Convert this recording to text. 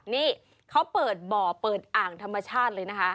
นี่เขาเปิดบ่อเปิดอ่างธรรมชาติเลยนะคะ